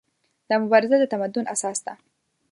دا مبارزه د تمدن اساس ده.